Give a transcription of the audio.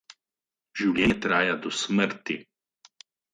Življenje traja do smrti.